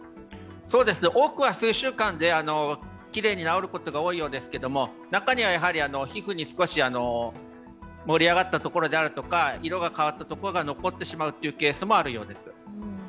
多くは数週間できれいに治ることが多いようですが、中には皮膚に盛り上がったところであるとか色が変わったところが残ってしまうというケースもあるようです。